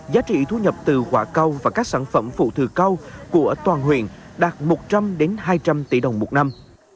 giá trị thu nhập từ quả cao và các sản phẩm phụ thừa cao của toàn huyện đạt một trăm linh hai trăm linh tỷ đồng một năm